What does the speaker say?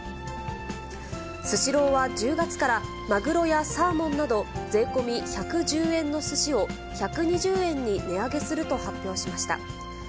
スシローは１０月から、まぐろやサーモンなど、税込み１１０円のすしを、１２０円に値上げすると発表しました。